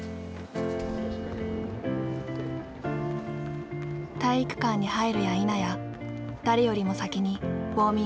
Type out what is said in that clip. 体育館に入るやいなや誰よりも先にウォーミングアップ。